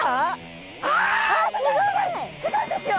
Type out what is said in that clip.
すごいですよ！